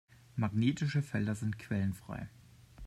Magnetische Felder sind quellenfrei.